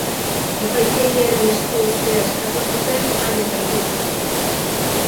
Epaitegiaren esku uztea eskatu zuten, han epaitu dezaten.